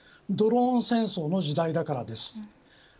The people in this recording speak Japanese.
ドローン戦争の時代だからです。